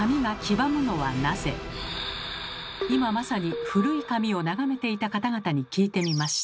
今まさに古い紙を眺めていた方々に聞いてみました。